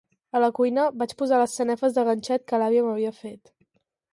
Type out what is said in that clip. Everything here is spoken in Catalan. A la cuina vaig posar les sanefes de ganxet que l’àvia m’havia fet.